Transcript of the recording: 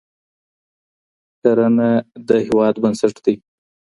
کرنهږ د هیواد بنسټ دی.